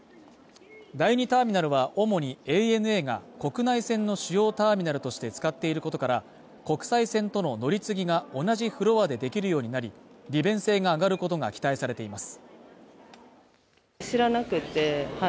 第２ターミナルは主にＡＮＡが国内線の主要ターミナルとして使っていることから国際線との乗り継ぎが同じフロアでできるようになり、利便性が上がることが期待されています。